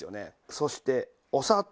そしてお砂糖。